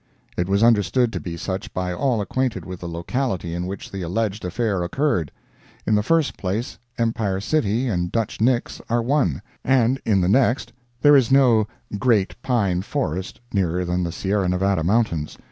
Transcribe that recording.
It was understood to be such by all acquainted with the locality in which the alleged affair occurred. In the first place, Empire City and Dutch Nick's are one, and in the next there is no "great pine forest" nearer than the Sierra Nevada mountains.